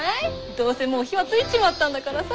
どうせもう火はついちまったんだからさ。